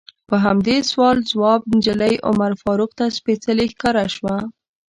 په همدې سوال ځواب نجلۍ عمر فاروق ته سپیڅلې ښکاره شوه.